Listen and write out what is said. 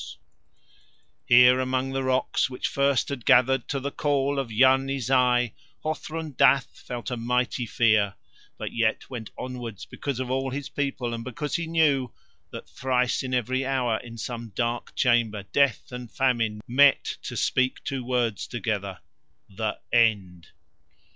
[Illustration: Departure of Hothrun Dath] Here among the rocks which first had gathered to the call of Yarni Zai, Hothrun Dath felt a mighty fear, but yet went onwards because of all his people and because he knew that thrice in every hour in some dark chamber Death and Famine met to speak two words together, "The End."